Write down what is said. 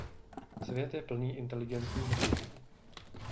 Svět je plný inteligentních druhů.